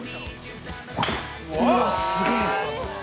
◆うわぁ、すげえ。